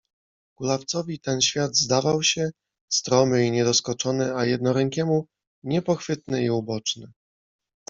Kulawcowi ten świat zdawał się — stromy i niedoskoczony, a jednorękiemu — niepochwytny i uboczny.